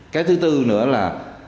cái thứ tư nữa là